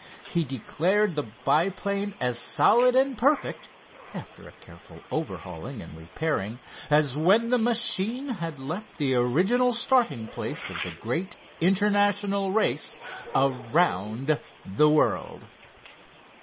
He declared the biplane as solid and perfect, after a careful overhauling and repairing, as when the machine had left the original starting place of the great international race around the world.